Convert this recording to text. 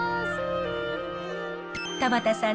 田端さん